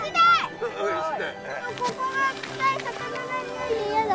ここが臭い魚のにおいで嫌だ。